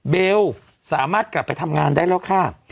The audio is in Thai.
เบลสามารถกลับไปทำงานได้แล้วค่ะ